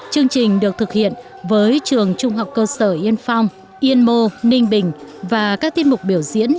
chương trình được thực hiện với trường trung học cơ sở yên phong yên mô ninh bình và các tiết mục biểu diễn